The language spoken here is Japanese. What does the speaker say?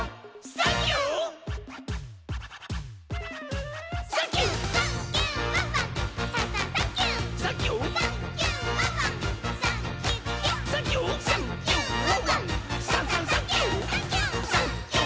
「サンキュ！